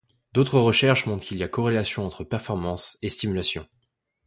D’autres recherches montrent qu’il y a corrélation entre performance et stimulation.